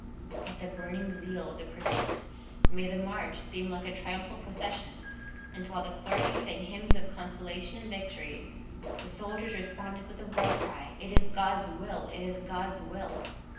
Yet the burning zeal of the Christians made the march seem like a triumphal procession; and while the clergy sang hymns of consolation and victory, the soldiers responded with the war cry, "It is God's will! It is God's will!"